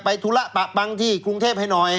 ธุระปะปังที่กรุงเทพให้หน่อย